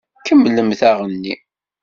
Kemmlemt aɣenni!